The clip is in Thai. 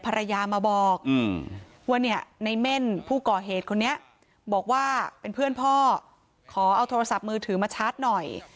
ภรรยามาบอกว่าเนี่ยในเม่นผู้ก่อเหตุคนนี้บอกว่าเป็นเพื่อนพ่อขอเอาโทรศัพท์มือถือมาชาร์จหน่อย